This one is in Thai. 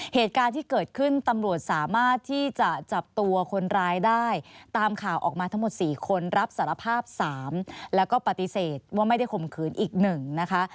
เหตุการณ์ที่เกิดขึ้นตำรวจสามารถที่จะจับตัวคนร้ายได้ตามข่าวออกมาทั้งหมด๔คนรับสารภาพ๓แล้วก็ปฏิเสธว่าไม่ได้ข่มขืนอีก๑นะคะ